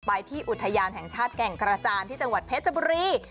ที่อุทยานแห่งชาติแก่งกระจานที่จังหวัดเพชรบุรี